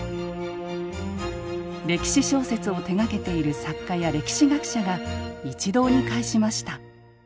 歴史小説を手がけている作家や歴史学者が一堂に会しました。